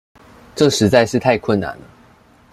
這實在是太困難了